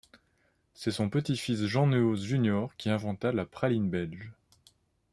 C'est son petit-fils Jean Neuhaus Junior qui inventa la praline belge.